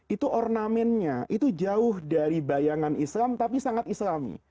itu ornamennya itu jauh dari bayangan islam tapi sangat islami